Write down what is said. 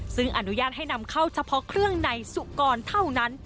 ซึ่งอนุญาตให้นำเข้าเฉพาะเครื่องในสุกรเท่านั้น